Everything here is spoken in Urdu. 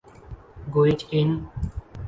گوئچ ان